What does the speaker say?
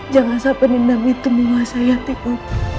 jangan sampai dendam itu menguasai hatiku